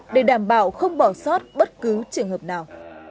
để đảm bảo không bỏ sót bất cứ trường hợp nào